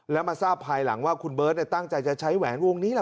แล้วมาทราบภายหลังว่าคุณเบิร์ตตั้งใจจะใช้แหวนวงนี้แหละ